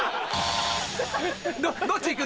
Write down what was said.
どっち行く？